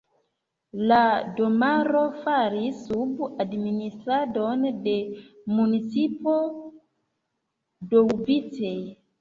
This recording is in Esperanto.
La domaro falis sub administradon de municipo Doubice.